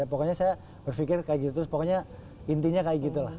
pokoknya saya berpikir kayak gitu terus pokoknya intinya kayak gitu lah